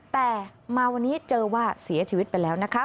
แต่มาวันนี้เจอว่าเสียชีวิตไปแล้วนะคะ